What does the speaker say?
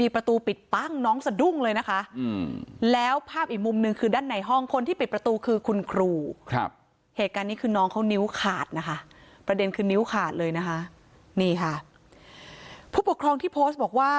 ผู้ปกครองที่โพสต์บอกว่า